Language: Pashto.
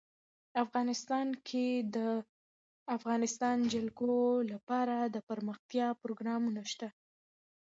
افغانستان کې د د افغانستان جلکو لپاره دپرمختیا پروګرامونه شته.